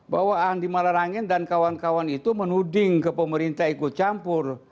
bahwa andi malarangin dan kawan kawan itu menuding ke pemerintah ikut campur